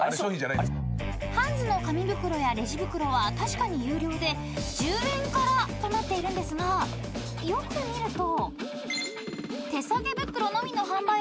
［ハンズの紙袋やレジ袋は確かに有料で１０円からとなっているんですがよく見ると］